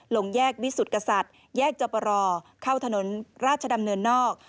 ลงแยกวิสุทธิ์กษัตริย์แยกจบรอเข้าถนนราชดำเนินนอก